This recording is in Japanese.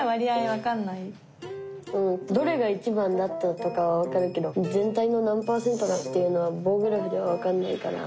どれが一番だったとかはわかるけど全体の何パーセントかっていうのは棒グラフではわかんないかな。